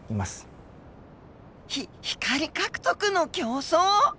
ひ光獲得の競争！？